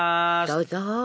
どうぞ。